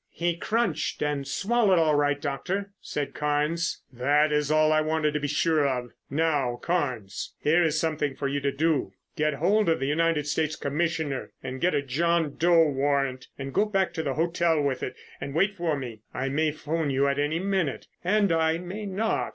"He crunched and swallowed all right, Doctor," said Carnes. "That is all I wanted to be sure of. Now Carnes, here is something for you to do. Get hold of the United States Commissioner and get a John Doe warrant and go back to the hotel with it and wait for me. I may phone you at any minute and I may not.